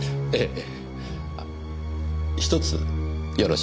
ええ。